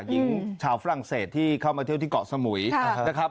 หญิงชาวฝรั่งเศสที่เข้ามาเที่ยวที่เกาะสมุยนะครับ